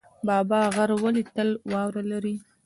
بابا غر ولې تل واوره لري؟